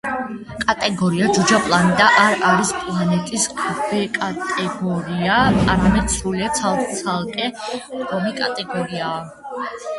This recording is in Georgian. კატეგორია „ჯუჯა პლანეტა“ არ არის პლანეტის ქვეკატეგორია, არამედ სრულიად ცალკე მდგომი კატეგორიაა.